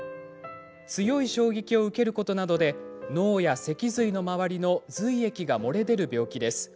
強い衝撃を受けることなどで脳や脊髄の周りの髄液が漏れ出る病気です。